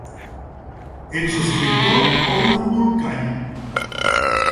Ets escriptor o un embolcall?